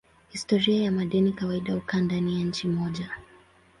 Historia ya madeni kawaida hukaa ndani ya nchi moja.